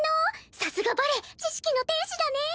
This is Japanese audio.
さすがバレ知識の天使だね！